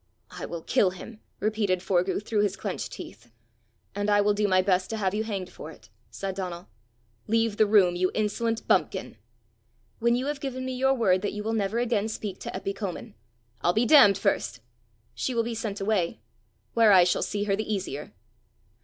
"I will kill him," repeated Forgue through his clenched teeth. "And I will do my best to have you hanged for it," said Donal. "Leave the room, you insolent bumpkin." "When you have given me your word that you will never again speak to Eppy Comin." "I'll be damned first." "She will be sent away." "Where I shall see her the easier."